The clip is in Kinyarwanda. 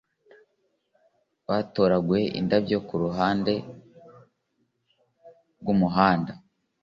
batoraguye indabyo ku ruhande rw'umuhanda